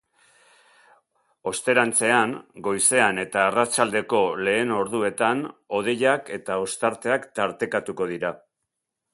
Osterantzean, goizean eta arratsaldeko lehen orduetan hodeiak eta ostarteak tartekatuko dira.